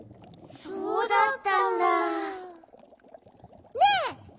そうだったんだ。ねえ！